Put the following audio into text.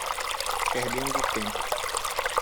Perdendo tempo